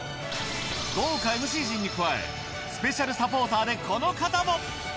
豪華ＭＣ陣に加えスペシャルサポーターでこの方も！